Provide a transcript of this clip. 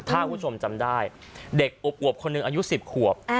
ถ้าคุณผู้ชมจำได้เด็กอวบคนหนึ่งอายุ๑๐ขวบ